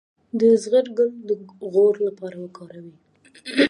د زغر ګل د غوړ لپاره وکاروئ